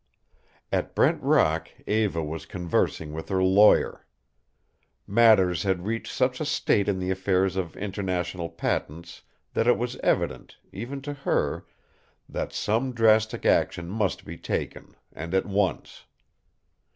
At Brent Rock Eva was conversing with her lawyer. Matters had reached such a state in the affairs of International Patents that it was evident, even to her, that some drastic action must be taken, and at once.